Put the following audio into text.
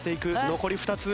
残り２つ。